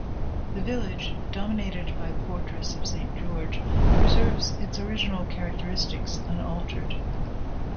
The village, dominated by the Fortress of Saint George, preserves its original characteristics unaltered.